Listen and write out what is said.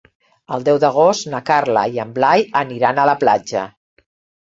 El deu d'agost na Carla i en Blai aniran a la platja.